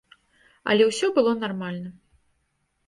Але ўсе было нармальна.